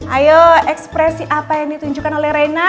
ayo ekspresi apa yang ditunjukkan oleh reina